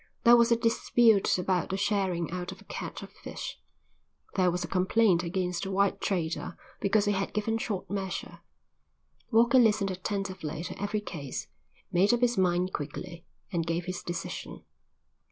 There was a dispute about the sharing out of a catch of fish. There was a complaint against a white trader because he had given short measure. Walker listened attentively to every case, made up his mind quickly, and gave his decision.